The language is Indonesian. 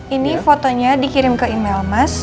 ini fotonya dikirim ke email mas